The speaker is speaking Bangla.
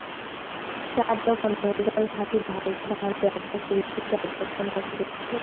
চাঁদ যখন ঢলঢল হাসি ঢালতে ঢালতে আকাশে ভেসে যায় তখন তাকে দেখেছ?